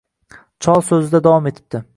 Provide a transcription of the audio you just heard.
Chol soʻzida davom etibdi